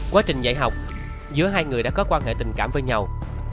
quá trình dạy học giữa hai người đã có quan hệ tình cảm với nhau